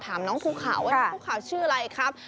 ถามน้องภูเขาว่าน้องภูเขาชื่ออะไรครับ